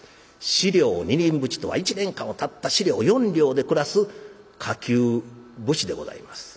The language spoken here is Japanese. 「四両二人扶持」とは一年間をたった四両で暮らす下級武士でございます。